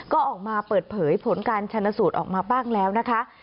ก็ออกมาเปิดเผยผลการชนสูตรออกมาบ้างแล้วนะคะ